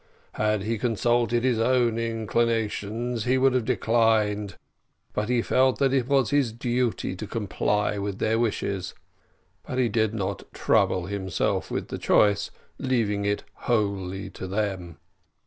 Had he consulted his own inclinations he would have declined, but he felt that it was his duty to comply with their wishes; but he did not trouble himself with the choice, leaving it wholly to them.